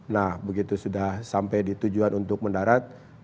nah begitu sudah sampai di tujuan untuk mendarat